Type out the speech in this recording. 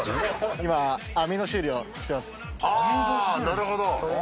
なるほど。